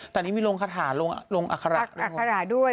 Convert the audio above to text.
ตอนนี้มีโรงคาถาโรงอาคาระด้วย